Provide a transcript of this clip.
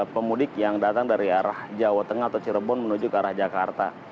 pemudik yang datang dari arah jawa tengah atau cirebon menuju ke arah jakarta